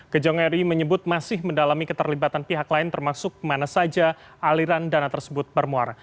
kejong ri menyebut masih mendalami keterlibatan pihak lain termasuk mana saja aliran dana tersebut bermuara